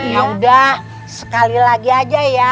ya udah sekali lagi aja ya